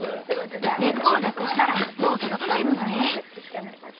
根っこをなくしたらもう育たないものね。